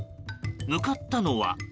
向かったのは。